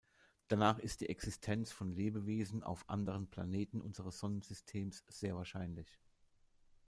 Danach ist die Existenz von Lebewesen auf anderen Planeten unseres Sonnensystems sehr wahrscheinlich.